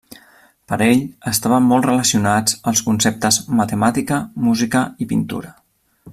Per ell estaven molt relacionats els conceptes: matemàtica, música i pintura.